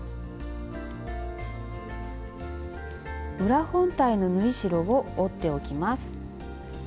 裏本体の縫い代を折っておきます。